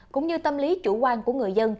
cũng như tâm lý chủ quan của người dân